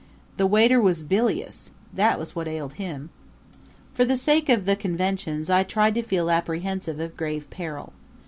The waiter was bilious that was what ailed him. For the sake of the conventions I tried to feel apprehensive of grave peril.